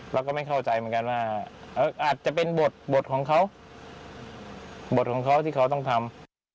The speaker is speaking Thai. เราก็ไม่เข้าใจเหมือนกันว่าอาจจะเป็นบทของเขาบทของเขาที่เขาต้องทำ